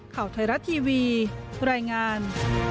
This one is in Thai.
ข่าวไทยรัฐทีวีรายงาน